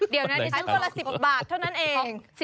เดี๋ยวนะดิฉันคนละ๑๐บาทเท่านั้นเอง